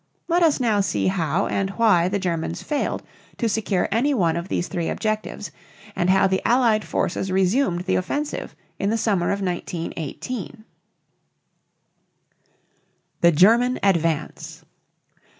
Let us now see how and why the Germans failed to secure any one of these three objectives, and how the Allied forces resumed the offensive in the summer of 1918. THE GERMAN ADVANCE.